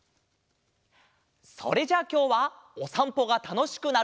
それじゃあきょうはおさんぽがたのしくなる